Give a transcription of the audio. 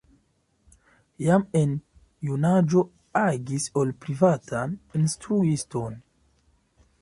Jam en junaĝo agis ol privatan instruiston.